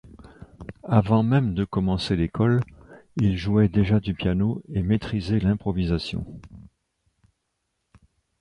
Avant même de commencer l'école, il jouait déjà du piano et maîtrisait l'improvisation.